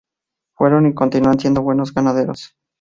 Fueron y continúan siendo buenos ganaderos.